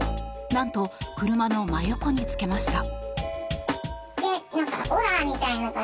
なんと車の真横につけました。